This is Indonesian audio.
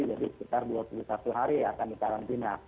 jadi sekitar dua puluh satu hari akan dikarantina